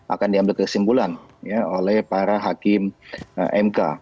akan diambil kesimpulan oleh para hakim mk